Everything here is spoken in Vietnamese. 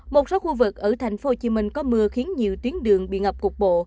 một số khu vực ở thành phố hồ chí minh có mưa khiến nhiều tuyến đường bị ngập cục bộ